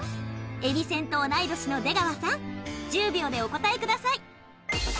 えびせんと同い年の出川さん１０秒でお答えください